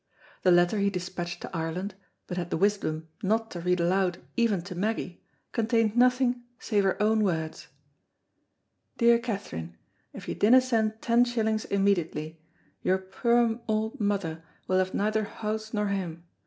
The letter he despatched to Ireland, but had the wisdom not to read aloud even to Meggy, contained nothing save her own words, "Dear Kaytherine, if you dinna send ten shillings immediately, your puir auld mother will have neither house nor hame.